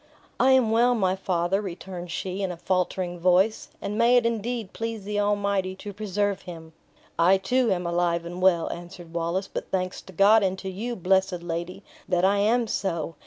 "I am well, my father," returned she, in a faltering voice; "and may it indeed please the Almighty to preserve him!" "I, too, am alive and well," answered Wallace; "but thanks to God, and to you, blessed lady, that I am so!